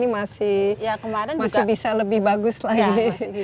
masih bisa lebih bagus lagi